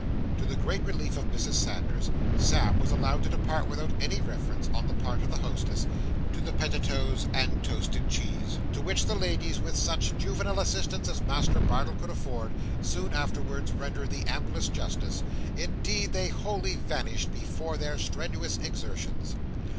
To the great relief of Mrs. Sanders, Sam was allowed to depart without any reference, on the part of the hostess, to the pettitoes and toasted cheese; to which the ladies, with such juvenile assistance as Master Bardell could afford, soon afterwards rendered the amplest justice indeed they wholly vanished before their strenuous exertions.